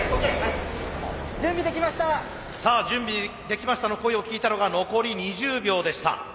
「準備できました」の声を聞いたのが残り２０秒でした。